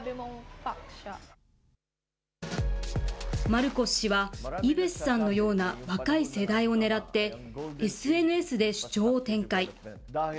マルコス氏は、イベスさんのような若い世代をねらって、ＳＮＳで主張を展開。